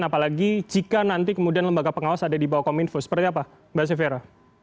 apalagi jika nanti kemudian lembaga pengawas ada di bawah kominfo seperti apa mbak syevera